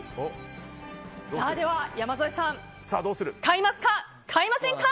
では、山添さん買いますか？